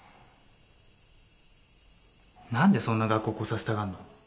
何でそんな学校来させたがんの？